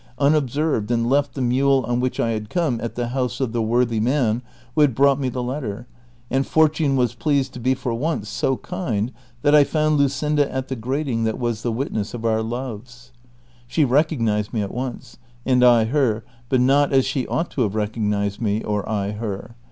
I arrived unobserved, and left the mule on which I had come, at the house of the worthy man who had brought me tlie letter, and fortune was pleased to be for once so kind tliat I found Luscinda at the grating that was the witness of our loves. She recognized me at once, and I her, but not as she ouglit to have recognized me, or I her.